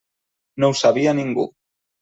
No ho sabia ningú.